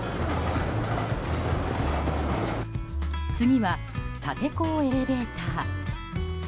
次は竪坑エレベーター。